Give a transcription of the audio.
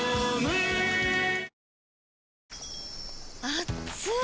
あっつい！